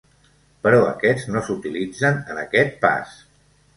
Però aquests no s'utilitzen en aquest pas.